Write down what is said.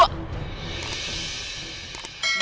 tenang tenang ibu ibu